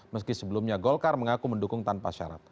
meski sebelumnya golkar mengaku mendukung tanpa syarat